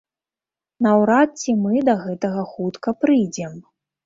Наўрад ці мы да гэтага хутка прыйдзем.